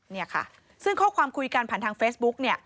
เนี่ยค่ะซึ่งข้อความคุยกันผ่านทางเฟซบุ๊กเนี่ย